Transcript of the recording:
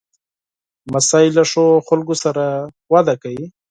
لمسی له ښو خلکو سره وده کوي.